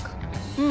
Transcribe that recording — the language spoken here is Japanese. うん。